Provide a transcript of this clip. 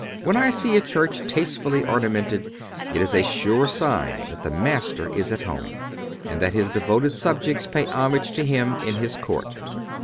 When I see a church tastefully ornamented it is a sure sign that the Master is at home, and that His devoted subjects pay homage to Him in His court.